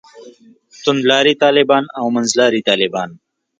توندلاري طالبان او منځلاري طالبان.